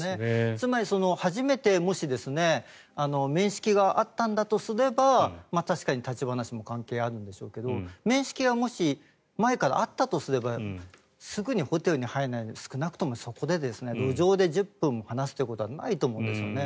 つまり、初めてもし面識があったんだとすれば確かに立ち話も関係あるんでしょうけど面識が前からあったとすればすぐにホテルに入らないで少なくともそこで路上で１０分話すということはないと思うんですよね。